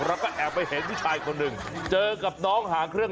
เราก็แอบไปเห็นผู้ชายคนหนึ่งเจอกับน้องห่างเครื่อง